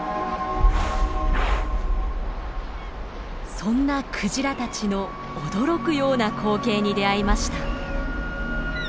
そんなクジラたちの驚くような光景に出会いました。